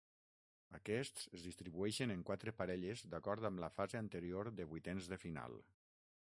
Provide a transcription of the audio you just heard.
Aquests es distribueixen en quatre parelles d'acord amb la fase anterior de vuitens de final.